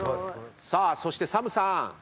さあそしてＳＡＭさん